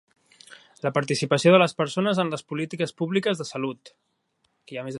La participació de les persones en les polítiques públiques de salut.